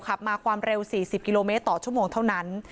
ขับมาความเร็ว๔๐กิโลเมตรต่อชั่วโมงเท่านั้น